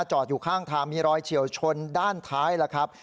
อยู่ข้างทางมีรอยเฉียวชนด้านท้ายแล้วครับ